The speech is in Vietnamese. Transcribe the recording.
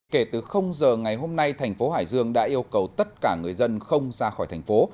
kể từ giờ ngày hôm nay thành phố hải dương đã yêu cầu tất cả người dân không ra khỏi thành phố